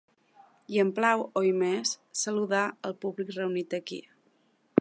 I em plau oimés saludar el públic reunit aquí.